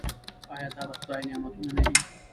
آیا دا د خدای نعمتونه نه دي؟